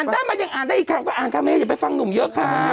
ได้ไหมยังอ่านได้อีกคำก็อ่านค่ะแม่อย่าไปฟังหนุ่มเยอะค่ะ